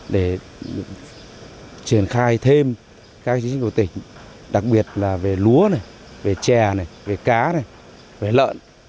để triển khai thêm các chính sách của tỉnh đặc biệt là về lúa về chè về cá về lợn